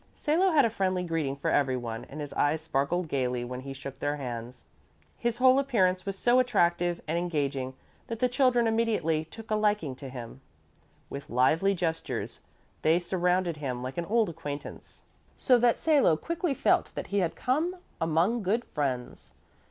Salo had a friendly greeting for every one and his eyes sparkled gaily when he shook their hands. His whole appearance was so attractive and engaging that the children immediately took a liking to him. With lively gestures they surrounded him like an old acquaintance, so that Salo quickly felt that he had come among good friends.